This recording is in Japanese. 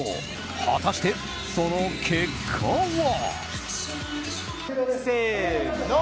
果たして、その結果は。